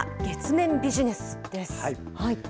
月面ビジネスです。